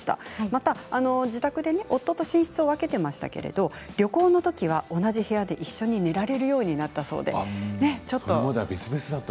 また自宅で夫と寝室を分けていましたけど旅行のときは同じ部屋で一緒に旅行でも別々だったんだ。